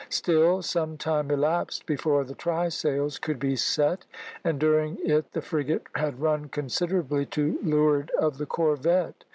Still some time elapsed before the trysails could be set, and during it the frigate had run considerably to leeward of the corvette.